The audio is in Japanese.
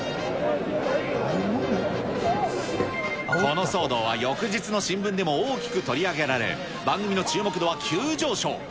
この騒動は翌日の新聞でも大きく取り上げられ、番組の注目度は急上昇。